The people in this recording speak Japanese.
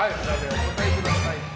お答えください。